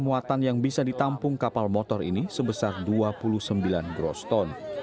maksimalnya sepuluh ton